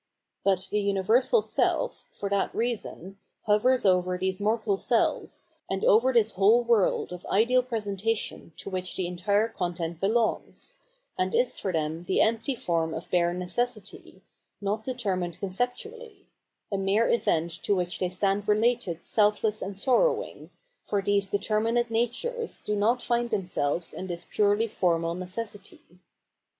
But the universal self, for that reason, hovers over these mortal selves, and over this whole world of ideal presentation to which the entire content belongs ; and is for them the empty form of bare Necessity, not determined conceptually — a mere event to which they stand related selfless and sorrowing, for these deter minate natures do not find themselves in this purely formal necessity.